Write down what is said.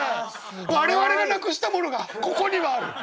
我々がなくしたものがここにはある。